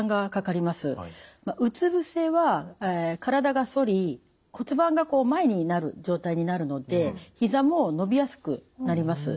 うつ伏せは体が反り骨盤がこう前になる状態になるのでひざも伸びやすくなります。